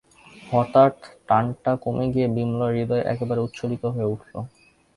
হঠাৎ টানটা কমে গিয়ে বিমলার হৃদয় একেবারে উচ্ছ্বসিত হয়ে উঠল।